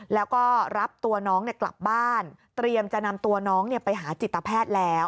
แล้วก็รับตัวน้องกลับบ้านเตรียมจะนำตัวน้องไปหาจิตแพทย์แล้ว